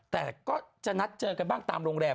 แต่ก็จะนัดเจอกันบ้างตามโรงแรม